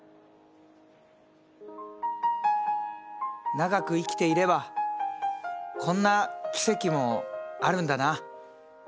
長く生きていればこんな奇跡もあるんだな。